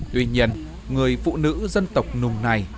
tuy nhiên người phụ nữ dân tộc nùng này